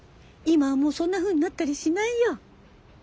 今はもうそんなふうになったりしないよ。